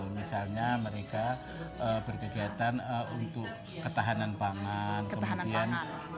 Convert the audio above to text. misalnya mereka berkegiatan untuk ketahanan pangan kemudian